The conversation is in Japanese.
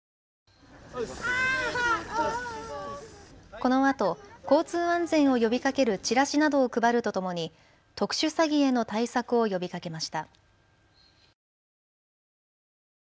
このあと、交通安全を呼びかけるチラシなどを配るとともに特殊詐欺への対策を呼びかけました。